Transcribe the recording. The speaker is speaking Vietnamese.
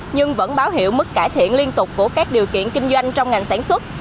nhưng vẫn báo hiệu mức cải thiện liên tục của các điều kiện kinh doanh trong ngành sản xuất